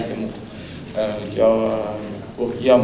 do một số